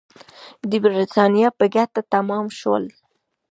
د برېټانیا په ګټه تمام شول.